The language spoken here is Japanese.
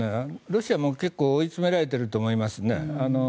ロシアも結構追い詰められていると思います。